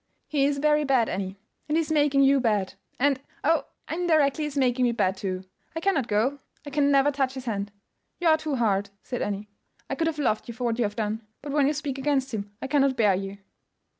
"He is very bad, Annie, and he is making you bad—and, oh, indirectly he is making me bad too. I cannot go; I can never touch his hand." "You are too hard," said Annie. "I could have loved you for what you have done; but when you speak against him I cannot bear you."